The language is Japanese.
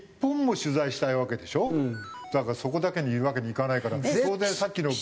だからそこだけにいるわけにいかないから当然さっきの。